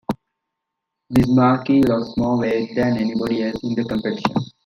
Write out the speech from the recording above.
Biz Markie lost more weight than anybody else in the competition.